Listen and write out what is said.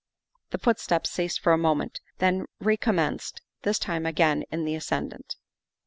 The footsteps ceased for a moment, then recom menced, this time again in the ascendant.